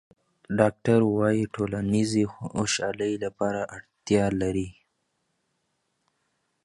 ډاکټران وايي ټولنیز وصل د خوښۍ لپاره اړین دی.